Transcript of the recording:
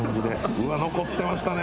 うわっ残ってましたね！